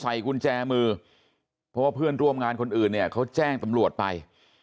กุญแจมือเพราะว่าเพื่อนร่วมงานคนอื่นเนี่ยเขาแจ้งตำรวจไป